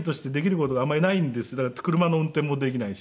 だから車の運転もできないし。